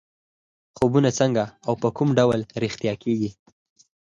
خوبونه څنګه او په کوم ډول رښتیا کېږي.